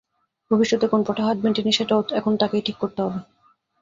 ভবিষ্যতে কোন পথে হাঁটবেন তিনি সেটাও এখন তাঁকেই ঠিক করতে হবে।